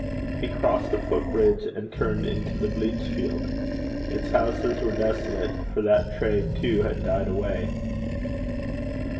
He crossed the footbridge and turned into the bleachfield. Its houses were desolate, for that trade too had died away.